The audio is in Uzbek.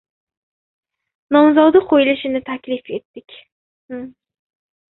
Nomzodi qo‘yilishini taklif etdik.